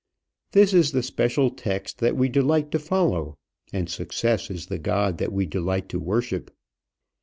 This is the special text that we delight to follow, and success is the god that we delight to worship.